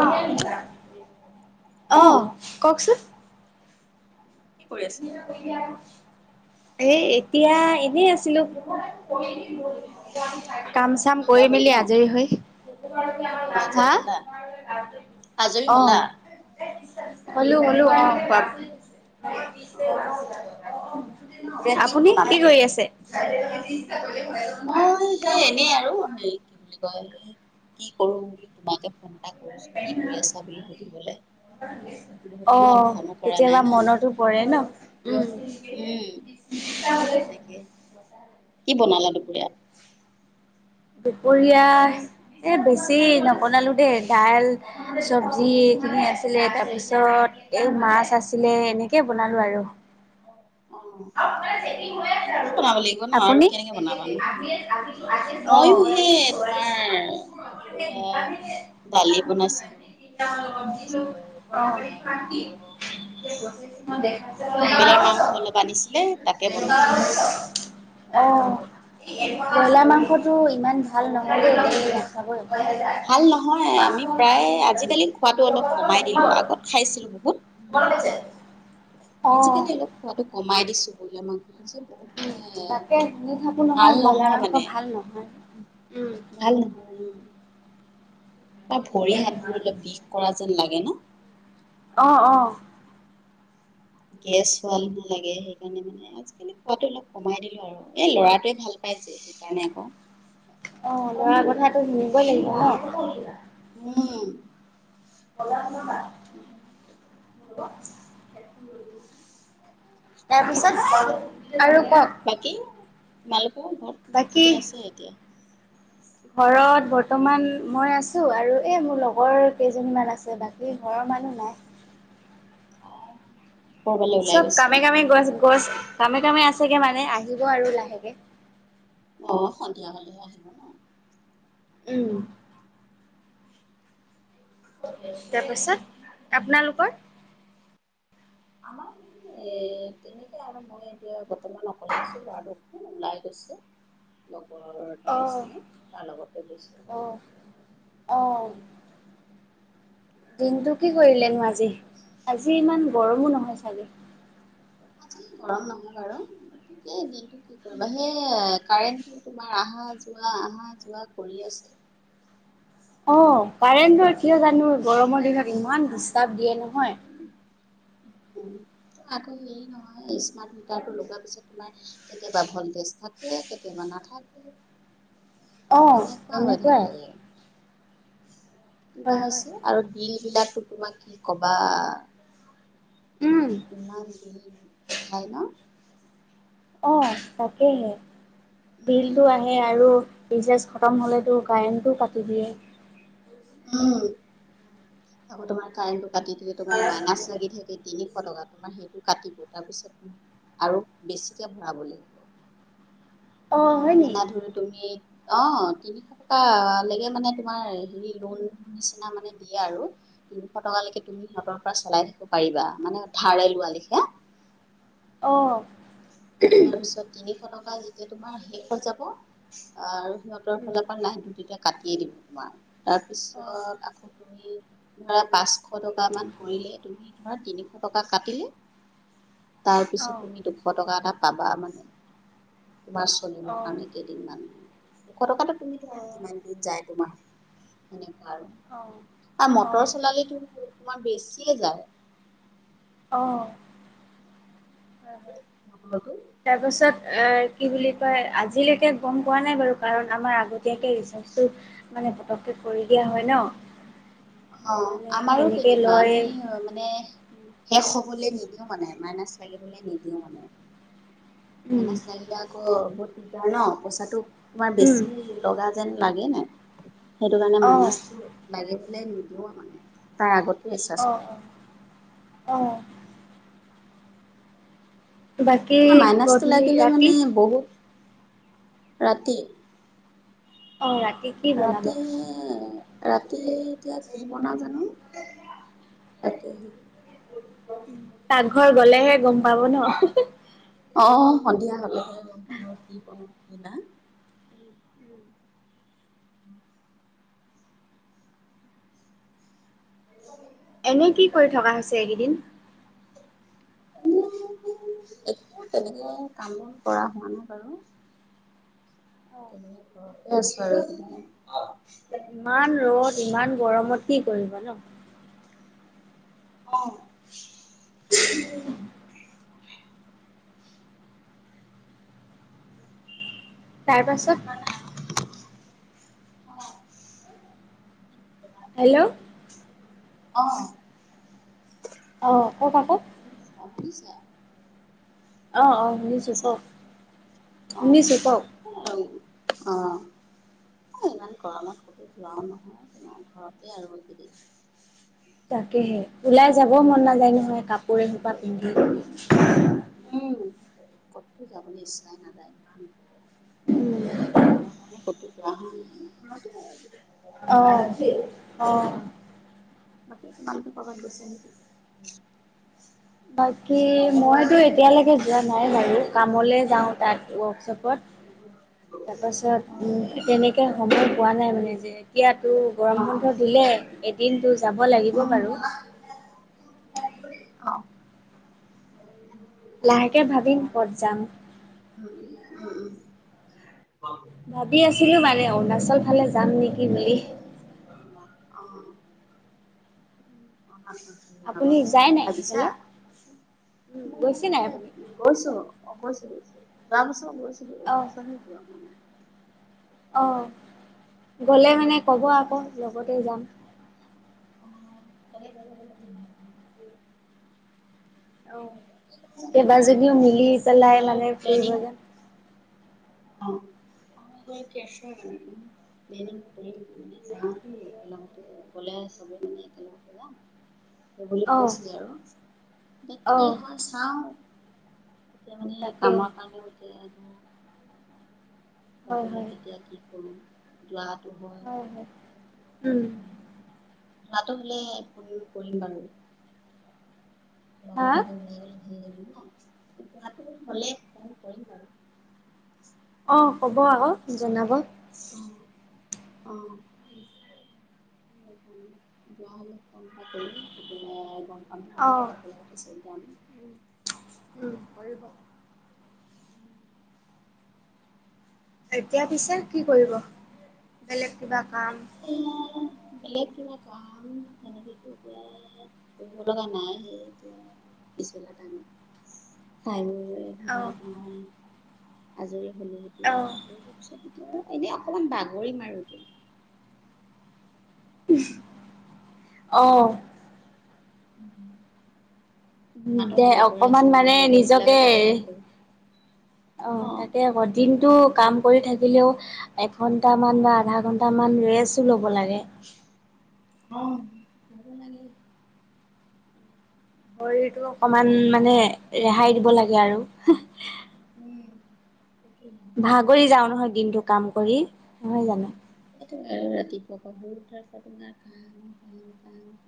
অ', hello অ', কওকচোন কি কৰি আছে। এ এতিয়া এনেই আছিলোঁ। কাম চাম খোৱা কৰি বোৱা হ'ল মেলি ন? আজৰি হৈ অ', আজৰি হা হ'লা? আজৰি হ'লা? অ', হোলো, হোলো অ' খোৱা অ', দুপৰীয়া আপুনি কি বনালা? কৰি আছে? মই হেই এনেই আৰু এ কি বুলি কয় কি কৰো কি কৰি আছা বুলি সুধিবলে। বহুত দিন হ'ল অ', ফোনো কৰা নাই কেতিয়াবা ন? মনতো পৰে ন উ। উম তাকে। কি বনালা দুপৰীয়া? দুপৰীয়া এ বেছি নবনালো দেই দাইল চব্জিখিনি আছিলে তাৰপিছত এই মাছ আছিলে এনে তাকে বনালো আৰু। অ', এনেকে আপুনি? বনাব লাগিব ন আৰু কেনেকে বনাবা নো? অ'। ময়ো সেই তোমাৰ [inaudible] দুপৰীয়া ই দালি বনাইছিলোঁ দেখাই তাৰপিছত তোমাৰ আৰু বুলি ব্ৰইলাৰ মাংস [unintelligible] অলপ আনিছিলে তাকে বনাইছিলোঁ অ আলু বইলা দি। মাংসটো ইমান ভাল নহলে এ নাখাবৈ ভাল নহয় আমি প্ৰায় আজিকালি খোৱাটো অলপ কমাই দিলো আগত খাইছিলো বহুত [unintelligible] অ', আজিকালি অলপ খোৱাটো কমাই দিছোঁ বয়লা মাংস উম, তাকে শুনি থাকো ভাল ব্ৰইলাৰ নহয় মাংস মানে ভাল নহয়। উম। ভাল নহয় কিবা ভৰি হাতবোৰ বিষ কৰা যেন লাগে ন অ অ গেছ হোৱা যেন লাগে সেইকাৰণে মানে আজিকালি খোৱাটো অলপ কমাই দিলো আৰু এ ল'ৰাটোৱে ভাল পাই যে সেইকাৰণে আকৌ অ লৰা কথাতো শুনিবই লাগিব ন উম [unintelligible] [unintelligible] টস্ক সেটো তাৰপিছত আৰু কওক বাকী তোমালোকৰ ঘৰত বাকী সবে আছে এতিয়া ঘৰত বৰ্তমান মই আছো আৰু এ মোৰ লগৰ কেইজনীমান আছে বাক বাকী ঘৰৰ মানুহ নাই [unintelligible] ওলাই চব গৈছে কামে কামে গৈছ গৈছে কামে কামে আছেগে মানে আহিব আৰু লাহেকে অ সন্ধিয়া হলেহে আহিব ন উম তাৰপিছত আপোনালোকৰ আমাৰ ই এ তেনেকুৱাই আমাৰ মই এতিয়া বৰ্তমান অকলে আছো লৰাটো অকমান ওলাই গৈছে লোক ঘৰত অ অ অ দিনটো কি কৰিলেনো আজি আজি ইমান গৰমো নহয় চাগে আজি গৰম নহয় বাৰু এই দিনটো কি কৰিবা সেইয়াই কাৰেণ্টটো তোমাৰ আহা যোৱা আহা যোৱা কৰি আছে অ কাৰেণ্টটো কিয় জানো গৰমৰ দিনত ইমান ডিষ্টাৰ্ব দিয়ে নহয় আকৌ হেৰি নহয় স্মাৰ্ট মিটাৰটো লগোৱাৰ পিছত তোমাৰ কেতিয়াবা ভলটেজ থাকে কেতিয়াবা নাথাকে অঁ তেনেকুৱা হৈ তেনেকুৱাই থাকে। কিবা হয় হয় হৈছে আৰু বিল বিলাকো তোমাক কি কবা উম ইমান বিল উঠাই ন অ তাকেহে বিলটো আহে আৰু ৰিচাৰ্জ খতম হ'লেতো কাৰেণ্টটো কাটি দিয়ে উম আকৌ তোমাৰ কাৰেণ্টো কাটি দিলে তোমাৰ মাইনাছ লাগি থাকে তিনিশ টকা তোমাৰ সেইটো কাটিব তাৰপিছ তুমি আৰু বেছিকে ভৰাব লাগিব অ', হয় নি? না ধুল তুমি অ' তিনিশটা লেকে মানে তোমাৰ হেৰি লোন নিচিনা মানে দিয়ে আৰু তিনিশ টকা লেকে তুমি হাতৰ পৰা চলাই থাকিব পাৰিবা, মানে ধাৰে লোৱা লিখে অ'হ। তাৰ পিছত তিনিশ টকা যেতিয়া তোমাৰ শেষ হৈ যাব আৰু সিহঁতৰ উম, ফালৰ পৰা নাই তেতিয়া কাটিয়ে দিব তোমাৰ, তাৰপিছত অ', আকৌ তুমি ধৰা পাঁচশ টকামান কৰিলে তুমি ধৰা তিনিশ টকা কাটিলে তাৰ পিছত অ', তুমি দুশ টকা এটা পাবা মানে পাছ, ছয় দিনৰ অ', কাৰণে দিয়ে কিমান দুশ টকাটো, তুমি ধৰা অ', কিমান দিন যায় তোমাৰ সেনেকুৱা আৰু, অ', আৰু মটৰ অ', চলালে তোমাৰ বেছিয়ে যায় অ' হয়, হয়। হৈ গ'ল তাৰ পাছত আ' কি বুলি কয় আজিলৈকে গম পোৱা নাই বাৰু, কাৰণ আমাৰ আগতীয়াকে ৰি তাৰপিছত মানে পতক্কে ভৰি দিয়া হয় ন'হ অ' আমাৰো তেনেকুৱা আমি মা মানে শেষ হবলৈ নিদিও মানে, মাইনাচ লাগিবলৈ নিদিও মানে উম, মাইনাচ লাগিলে আকৌ বহুত দিগদাৰ ন' পইচাটো তোমাৰ উম, বেছি লগা যেন লাগে নাই, সেইটো কাৰণে অ', মাইনাচ লাগিবলে নিদিও মানে তাৰ আগতে চছ অ', অ'। বাকী অ' মাইনাচটো গধূলি লাগিলে ৰাতি মানে বহু ৰাতি ৰাতি কি অ' বনাব? ৰাতি অ' ৰাতি এতিয়া কি বনাও জানো ৰাতি পাকঘৰ গলেহে গম পাব ন' হি'হি অ' সন্ধিয়া হ'লেহে গম পাম ৰ'হ, কি কৰো কি নাই [inaudible] এনে কি কৰি থকা হৈছে এইকেইদিন? [unintelligible] একো তেনেকে কাম-বন কৰা হোৱা নাই বাৰু কেইদিনমান ঘৰতেই আছোঁ আৰু ইমান ৰ'দ ইমান গৰমত কি কৰিব ন অ' [unintelligible] তাৰ পাছত? [unintelligible] হেল্লো অ। অ' অ' হে তাতে [unintelligible] অ' অ' শুনিছোঁ শুনিছা কওক, অ'। শুনিছোঁ কওক [unintelligible] অ' ইমান গৰমত ক'তো যোৱাও নহয়, তোমাৰ ঘৰতে আৰু এই কেইদিন তাকেহে ওলাই যাব মন নাযায় নহয় কাপোৰ এসোপা পিন্ধি উম, ক'তো যাব ইচ্ছা নাজায় [unintelligible] অহ' সেইতো অহ'। বাকী তোমালোক কৰবাত গৈছা নেকি? বাকী মইতো এতিয়ালৈকে যোৱা নাই বাৰু কামলে যাওঁ তাত ৱৰ্কশ্বপত। তাৰপাছত তেনেকে সময় পোৱা নাই মানে যে এতিয়াতো গৰম অ', বন্ধ দিলে এদিনতো যাব লাগিব উম, বাৰু। অ', লাহেকে ভাবিম কত যাম। [inaudible] ভাবি আছিলো মানে অৰুণাচল ফালে যাম নেকি বুলি। [inaudible] আপুনি যায় নাই ভাবিছা সেইফালে গৈছে নাই আপুনি গৈছো অ গৈছো যোৱা বছৰত গৈছিলো। অহ। সেইফালে যোৱা হোৱা নাই। অহ গ'লে মানে ক'ব আকৌ লগতে যাম। [inaudible] অহ কেইবা জনিও এগৰাকী মিলি আছে পেলাই তাই মানে ফুৰিব যাম। অহ [unintelligible] এই কৰিম মানে যাওঁ দেই একেলগতে গলে চবে মানে একেলগতে হ'ব। সেইবুলি অঁ কৈছিলে আৰু এয়া কি অঁ হয় চাওঁ। এতিয়া মানে তাকে কামৰ কাৰণে হয় যাবলে হয় কেতিয়া কি কৰোঁ যোৱাটো হয়। উম। যোৱাটো হলে ফোন কৰিম বাৰু। লগে হা ভাগে ওলাই গলে ভাল লাগিব যোৱাটো হলে ফোন কৰিম বাৰু। অ ক'ব আকৌ জনাব। অ অ। যোৱা হলে ফোন এটা কৰিম তেতিয়া পাম ন অহ। একেলগতে যাম। উম কৰিব। এতিয়া পিছে কি কৰিব বেলেগ কিবা কাম অহ বেলেগ কিবা কাম তেনেকেটো এতিয়া কৰিব লগা নাই যে এতিয়া পিছবেলা টাইমত খাই বৈ অ', লাভ নাই আজৰি হ'লো অ'। [unintelligible] এনেই অকমান বাগৰি আৰু এতিয়া। অহ। উম। দে অকমান আছে ন মানে নিজকে লগৰবিলাকতে কথা পাতিম অ অঁ তাকে আকৌ দিনটো কাম কৰি থাকিলেও এঘণ্টামান বা আধা ঘণ্টামান ৰেষ্ট ল'ব লাগে। অহ লব লাগে। শৰীৰটো অকমান মানে ৰেহাই দিব লাগে আৰু। উম তাকেহে। ভাগৰি যাও নহয় দিনটো কাম কৰি নহয় জানো। সেইটোৱেই আৰু ৰাতিপুৱাৰ পৰা বহুত [unintelligible]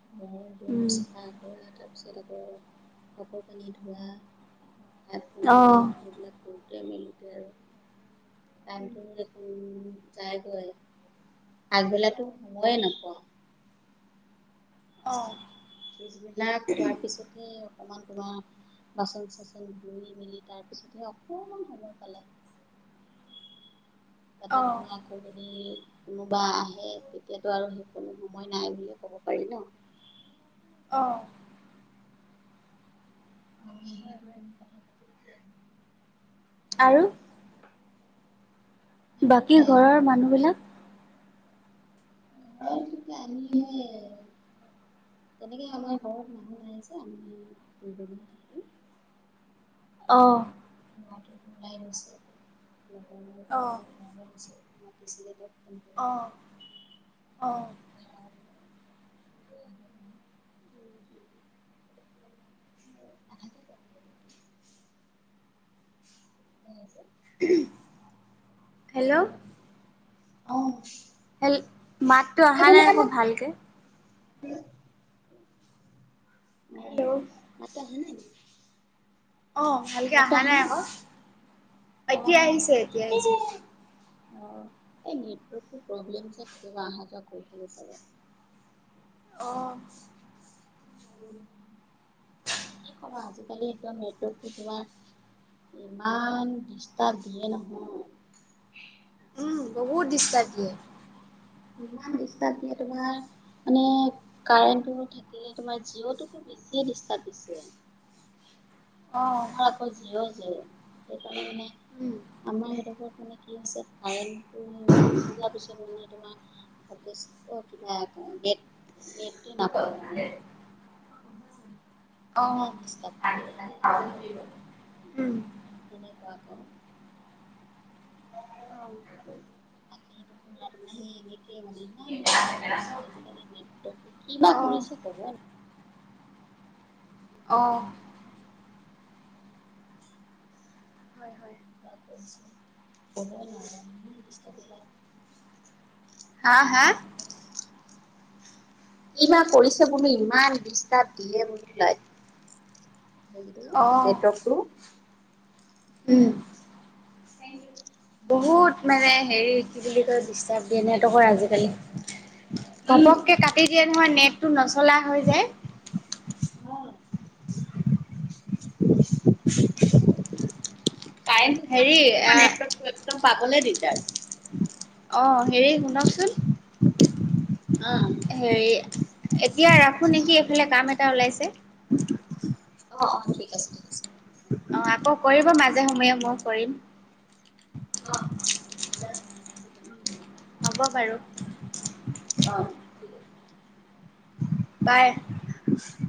[unintelligible] দুৱাৰ উম, চাফা কৰা, তাৰপিছত আকৌ কাপোৰ কানি ধোৱা। ভাত বনোৱা, অ'। এইবিলাক কৰোঁতে মেলোতে আৰু টাইমটো দে যায়গৈ, আগবেলাতো সময়েই নাপাওঁ। অ', অ', পিছবেলা খোৱাৰ পিছতহে অকমান তোমাৰ বাচন চাচন ধুই মেলি তাৰপিছতহে অকমান সময় পালে। তাতে অ', তোমাৰ আকৌ যদি কোনোবা আহে, তেতিয়াতো আৰু সেইকনো সময় নাই বুলিয়েই ক'ব পাৰি ন। অ'। অ' [inaudible] আৰু? আৰু বাকী সেয়াই আৰু ঘৰৰ মানুহবলাক? [inaudible] তেনেকৈ আমাৰ ঘৰত মানুহ নাই যে, আমি এই তিনিজনিহে থাকো। অ'। মাতো ওলাই গৈছে, [inaudible] অ', [unintelligible] মাতিছিলে [unintelligible] অ', অ'। [inaudible] [inaudible] [inaudible] [unintelligible] হেল্ল'। অ'। হেল, মাতটো অহা নাই আকৌ ভালকে। অ', হেল্ল' মাততো অহা নাই নেকি? অ', ভালকে অহা নাই আকৌ, অ এতিয়া আহিছে এতিয়া এই আহিছে। অ', এই নেটৱৰ্কটো প্ৰব্লেম যে, কেতিয়াবা অহা যোৱা কৰি থাকে চাগে। অ'। কি ক'বা, আজিকালি একদম নেটৱৰ্কটো তোমাৰ ইমান ডিষ্টাৰ্ব দিয়ে নহয়। উম, বহুত ডিষ্টাৰ্ব দিয়ে। ইমান দিষ্টব দিয়ে তোমাৰ, মানে কাৰেণ্ট থ তোমাৰ জিঅ'তোটো বেছিয়ে দিষ্টাৰ্ব দিছে। অ'। মোৰ আকৌ জিঅ' জিঅ', সেইকাৰণে মানে উম। আমাৰ এইফালে মানে কি হৈছে কাৰেন্ততো গুচি পিছত মানে তোমাৰ [unintelligible] কিবা নেটটো অ', উম। নাপায় অ'। মানে। ইমান ডিষ্টাৰ্ব কৰে। [inaudible] তেনেকুৱা আকৌ। অ'। [unintelligible] এনেকৈ মানে ইমান ডিষ্টাৰ্ব কৰে, আজিকালি নেট কিবা কৰিছে ক'ব অ'। হয়, [inaudible] হা হা? [inaudible] কিবা কৰিছে বুলি ইমান দিষ্টাব দিয়ে বুলি লয়। হেৰিটো অ'। নেটৱৰ্কতো। উম। বহুত মানে হেৰি কি বুলি কয় ডিষ্টাৰ্ব দিয়ে নেটৱৰ্কৰ আজিকালি। ঘপকে কাটি দিয়ে নহয় নেটটো নচলা হৈ যায়। [inaudible] কাৰেন্টো যোৱাৰ পিছতো তোমাৰ নেটৱৰ্কটো হেৰি আ একদম পাবলে দিগদাৰ। অ', হেৰি শুনকচোন। অ', হেৰি এতিয়া ৰাখোঁ নেকি এইফালে কাম এটা ওলাইছে। অ', অ', ঠিক আছে। আছে। অ', আকৌ কৰিব মাজে সময়ে ময়ো কৰিম। অ'। হ'ব বাৰু। অ'। বাই। [inaudible]